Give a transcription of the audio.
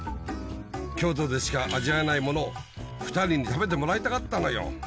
京都でしか味わえないものを２人に食べてもらいたかったのよ